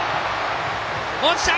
落ちた！